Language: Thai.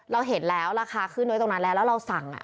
เราเห็นแล้วราคาขึ้นไว้ตรงนั้นแล้วแล้วเราสั่ง